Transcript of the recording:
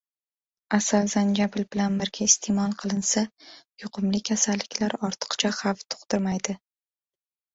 Asal zanjabil bilan birga iste’mol qilinsa, yuqumli kasalliklar ortiqcha xavf tug‘dirmaydi